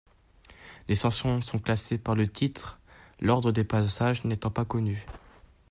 Les chansons sont classées par le titre, l'ordre des passages n'étant pas connu.